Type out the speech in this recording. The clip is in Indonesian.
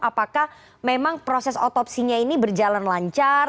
apakah memang proses otopsinya ini berjalan lancar